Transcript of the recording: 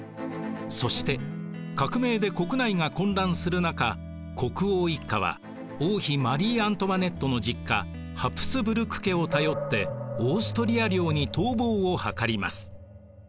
そして革命で国内が混乱する中国王一家は王妃マリー・アントワネットの実家ハプスブルク家を頼ってオーストリア領に逃亡をはかります。